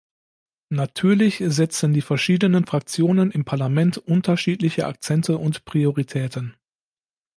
Natürlich setzen die verschiedenen Fraktionen im Parlament unterschiedliche Akzente und Prioritäten.